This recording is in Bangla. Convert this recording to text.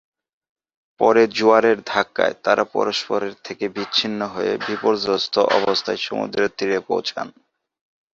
পরে জোয়ারের ধাক্কায় তারা পরস্পরের থেকে বিচ্ছিন্ন হয়ে বিপর্যস্ত অবস্থায় সমুদ্রের তীরে পৌঁছান।